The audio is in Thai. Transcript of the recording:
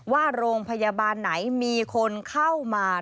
ว่าโรงพยาบาลไหนมีคนเข้ามา